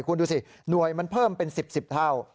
คุณดูสิหน่วยมันเพิ่มเป็น๑๐๑๐เท่า